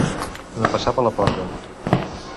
No passar per la porta.